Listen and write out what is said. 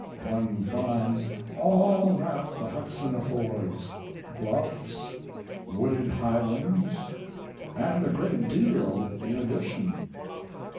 One finds all that the Hudson affords bluffs and w coded highlands and a great deal in addition.